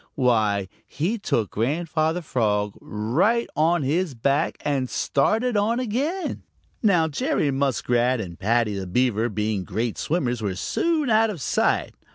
Why, he took Grandfather Frog right on his back and started on again. Now Jerry Muskrat and Paddy the Beaver, being great swimmers, were soon out of sight.